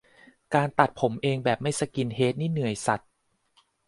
การตัดผมเองแบบไม่สกินเฮดนี่เหนื่อยสัส